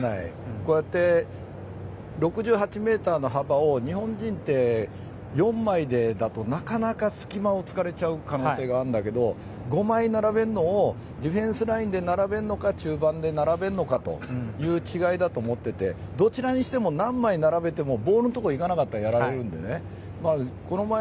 こうやって６８ｍの幅を日本人って４枚だとなかなか隙間を突かれる可能性があるんだけど５枚並べるのをディフェンスラインで並べるのか中盤で並べるのかという違いだと思っていてどちらにしてもどちらにしても、何枚並べてもボールのところへ行かなかったらやられるんでね。